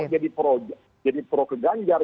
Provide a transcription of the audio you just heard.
jadi pro ke ganjar